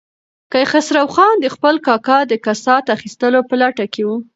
کیخسرو خان د خپل کاکا د کسات اخیستلو په لټه کې و.